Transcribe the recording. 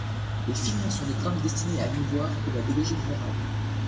Les films sont des drames destinés à émouvoir ou à dégager une morale.